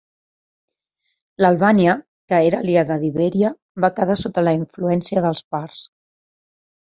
L'Albània, que era aliada d'Ibèria, va quedar sota la influència dels parts.